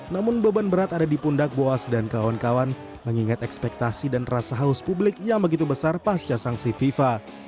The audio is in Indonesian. namun beban berat ada di pundak boas dan kawan kawan mengingat ekspektasi dan rasa haus publik yang begitu besar pasca sanksi fifa